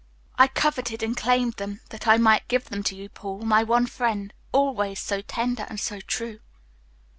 I coveted and claimed them that I might give them to you, Paul, my one friend, always, so tender and so true."